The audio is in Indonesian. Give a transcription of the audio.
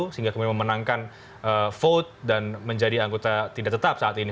sehingga kemudian memenangkan vote dan menjadi anggota tidak tetap saat ini